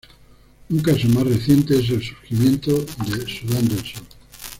Un caso más reciente es el surgimiento de Sudán del Sur.